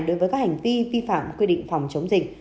đối với các hành vi vi phạm quy định phòng chống dịch